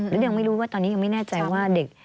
แล้วยังไม่รู้ว่าตอนนี้ยังไม่แน่ใจว่าเด็ก